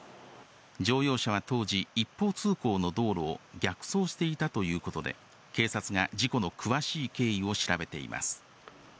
乗用車は当時、一方通行の道路を逆走していたということで、警察が事故の詳しい経緯を調べています。